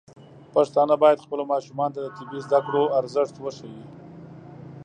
پښتانه بايد خپلو ماشومانو ته د طبي زده کړو ارزښت وښيي.